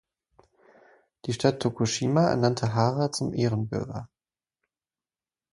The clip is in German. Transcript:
Die Stadt Tokushima ernannte Hara zum Ehrenbürger.